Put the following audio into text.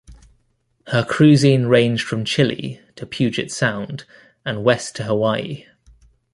Her cruising ranged from Chile to Puget Sound and west to Hawaii.